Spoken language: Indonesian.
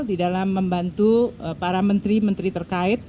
di dalam membantu para menteri menteri terkait